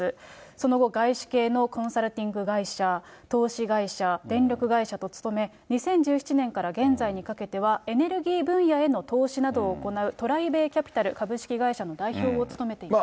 その後、外資系のコンサルティング会社、投資会社、電力会社と勤め、２０１７年から現在にかけては、エネルギー分野への投資などを行う、トライベイキャピタル株式会社の代表を務めています。